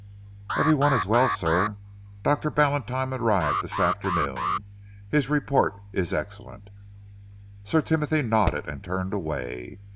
"Every one is well, sir. Doctor Ballantyne arrived this afternoon. His report is excellent." Sir Timothy nodded and turned away.